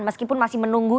meskipun masih menunggu